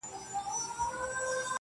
o دغه د اور ځنځير ناځوانه ځنځير.